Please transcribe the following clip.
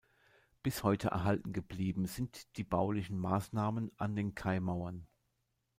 Bis heute erhalten geblieben sind die baulichen Maßnahmen an den Kaimauern.